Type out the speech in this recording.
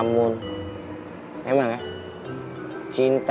cinta itu membuat orangnya merasa keras ya